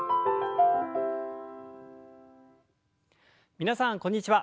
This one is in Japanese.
皆さんこんにちは。